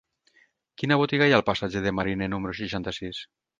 Quina botiga hi ha al passatge de Mariné número seixanta-sis?